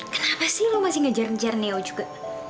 kenapa sih lo masih ngejar ngejar neo juga